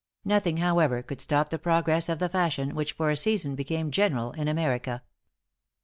Nothing, however, could stop the progress of the fashion, which for a season became general in America.